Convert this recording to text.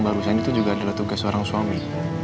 barusan itu juga adalah tugas seorang suami